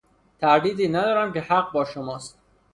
تردیدی ندارم که حق با شماست.